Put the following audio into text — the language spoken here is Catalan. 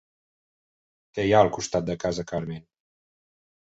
Què hi ha al costat de Casa Carmen?